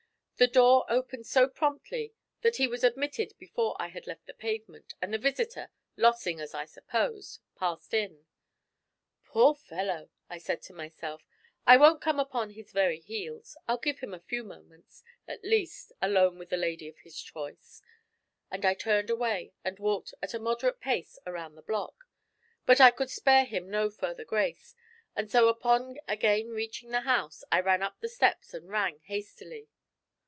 The door opened so promptly that he was admitted before I had left the pavement, and the visitor, Lossing as I supposed, passed in. 'Poor fellow,' I said to myself, 'I won't come upon his very heels. I'll give him a few moments, at least, alone with the lady of his choice,' and I turned away and walked at a moderate pace around the block. But I could spare him no further grace, and so upon again reaching the house I ran up the steps and rang hastily.